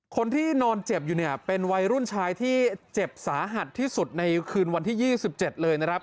คนที่นอนเจ็บอยู่เนี่ยเป็นวัยรุ่นชายที่เจ็บสาหัสที่สุดในคืนวันที่๒๗เลยนะครับ